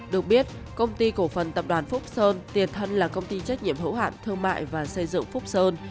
được biết công ty cổ phần tập đoàn phúc sơn tiền thân là công ty trách nhiệm hữu hạn thương mại và xây dựng phúc sơn